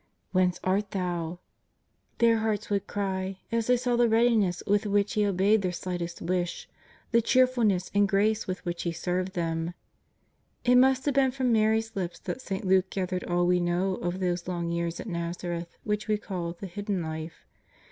" Whence art Thou ?" their hearts would cry, as they sa'T the read iness with which He obeyed their slightest wish, the cheerfulness and grace with which He served them. It must have been from Mary's lips that St. Luke gathered all we know of those long years at Nazareth which we call the Hidden Life.